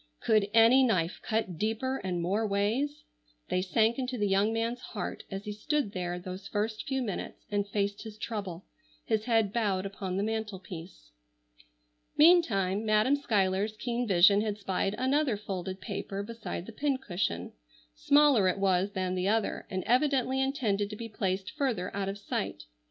Could any knife cut deeper and more ways? They sank into the young man's heart as he stood there those first few minutes and faced his trouble, his head bowed upon the mantel piece. Meantime Madam Schuyler's keen vision had spied another folded paper beside the pincushion. Smaller it was than the other, and evidently intended to be placed further out of sight.